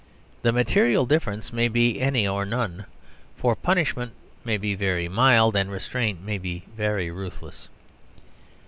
The material difference may be any or none; for punishment may be very mild, and restraint may be very ruthless.